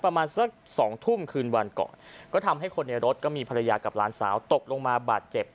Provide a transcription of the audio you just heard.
ประมาณสักสองทุ่มคืนวันก่อนก็ทำให้คนในรถก็มีภรรยากับหลานสาวตกลงมาบาดเจ็บ